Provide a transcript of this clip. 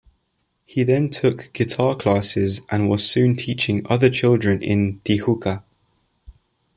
He then took guitar classes and was soon teaching other children in Tijuca.